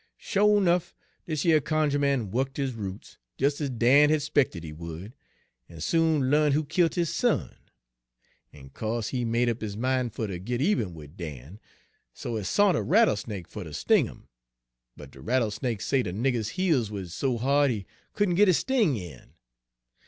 "Sho' 'nuff, dis yer cunjuh man wukked his roots, des ez Dan had 'spected he would, en soon l'arn' who killt his son. En co'se he made up his min' fer ter git eben wid Dan. So he sont a rattlesnake fer ter sting 'im, but de rattlesnake say de nigger's heel wuz so ha'd he couldn' git his sting in.